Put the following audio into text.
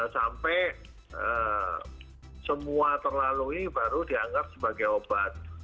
sampai semua terlalui baru dianggap sebagai obat